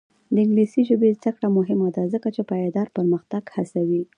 د انګلیسي ژبې زده کړه مهمه ده ځکه چې پایداره پرمختګ هڅوي.